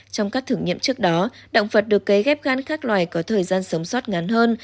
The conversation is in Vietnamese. trong các thử nghiệm trước đó động vật được cấy ghép gan các loài có thời gian sống sót ngắn hơn